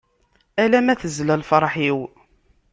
Ala ma tezla lferḥ-iw.